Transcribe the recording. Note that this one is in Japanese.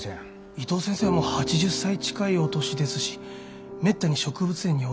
伊藤先生はもう８０歳近いお年ですしめったに植物園にはお出になりません。